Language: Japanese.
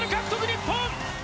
日本！